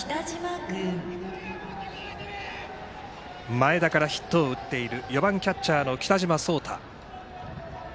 前田からヒットを打っている４番、キャッチャーの北島蒼大。